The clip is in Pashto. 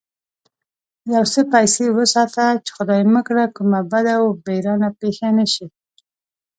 يو څه پيسې وساته چې خدای مکړه کومه بده و بېرانه پېښه نه شي.